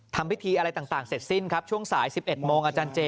ทำพิธีอะไรต่างเสร็จสิ้นครับช่วงสาย๑๑โมงอาจารย์เจ